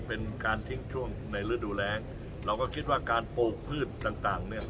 เป็นการทิ้งช่วงในฤดูแรงเราก็คิดว่าการปลูกพืชต่างต่างเนี่ย